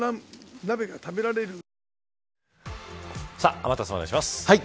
天達さん、お願いします。